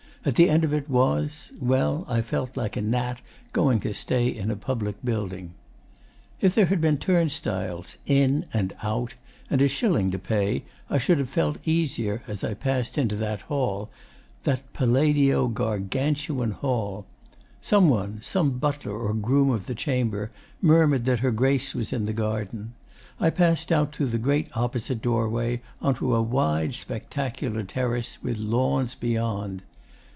At the end of it was well, I felt like a gnat going to stay in a public building. 'If there had been turnstiles IN and OUT and a shilling to pay, I should have felt easier as I passed into that hall that Palladio Gargantuan hall. Some one, some butler or groom of the chamber, murmured that her Grace was in the garden. I passed out through the great opposite doorway on to a wide spectacular terrace with lawns beyond.